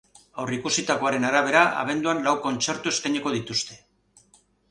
Aurreikusitakoaren arabera, abenduan lau kontzertu eskainiko dituzte.